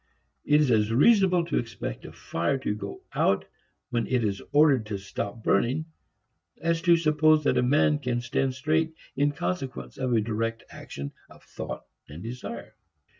It is as reasonable to expect a fire to go out when it is ordered to stop burning as to suppose that a man can stand straight in consequence of a direct action of thought and desire.